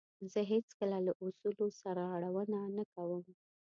زه هیڅکله له اصولو سرغړونه نه کوم.